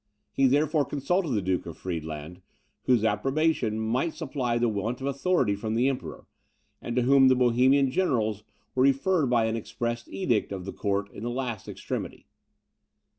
He therefore consulted the Duke of Friedland, whose approbation might supply the want of authority from the Emperor, and to whom the Bohemian generals were referred by an express edict of the court in the last extremity.